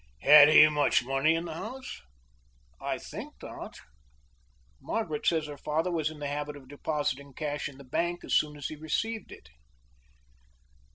"Had he much money in the house?" "I think not. Margaret says her father was in the habit of depositing cash in the bank as soon as he received it."